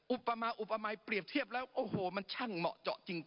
อุปมาอุปมายเปรียบเทียบแล้วโอ้โหมันช่างเหมาะเจาะจริง